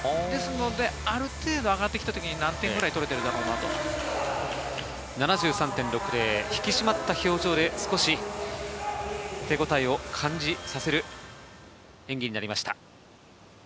ある程度上がってきたときに何点くらい引き締まった表情で少し手応えを感じさせる演技になりました。